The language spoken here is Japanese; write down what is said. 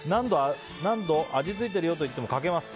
何度味付いてるよと言ってもかけます。